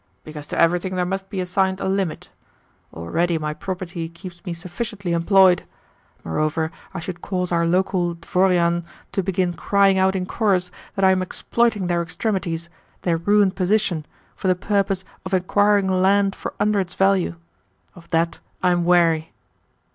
"Because to everything there must be assigned a limit. Already my property keeps me sufficiently employed. Moreover, I should cause our local dvoriane to begin crying out in chorus that I am exploiting their extremities, their ruined position, for the purpose of acquiring land for under its value. Of that I am weary."